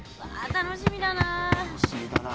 楽しみだな。